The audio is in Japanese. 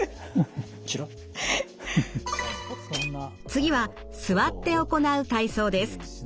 次は座って行う体操です。